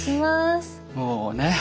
もうね